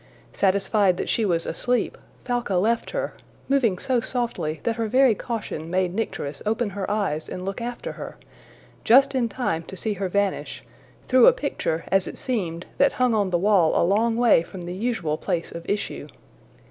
Satisfied that she was asleep, Falca left her, moving so softly that her very caution made Nycteris open her eyes and look after her just in time to see her vanish through a picture, as it seemed, that hung on the wall a long way from the usual place of issue.